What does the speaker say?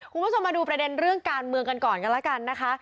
คุณผู้ชมมาดูประเด็นเรื่องการเมืองกันก่อนกันแล้วกันนะคะ